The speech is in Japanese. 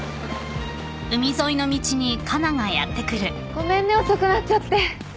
ごめんね遅くなっちゃって。